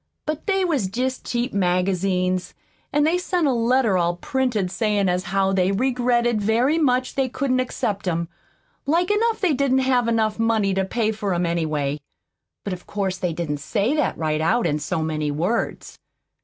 But they was jest cheap magazines; an' they sent a letter all printed sayin' as how they regretted very much they couldn't accept 'em. Like enough they didn't have money enough to pay much for 'em, anyway; but of course they didn't say that right out in so many words.